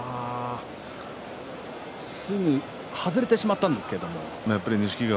すぐ外れてしまったんですけども。